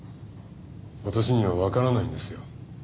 私には分からないんですよ。